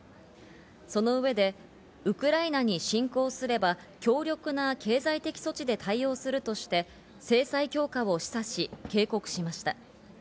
その上でウクライナに侵攻すれば強力な経済的措置で対応するとして、制裁強化を示唆し警告しました。